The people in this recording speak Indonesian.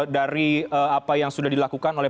dari apa yang sudah dilakukan oleh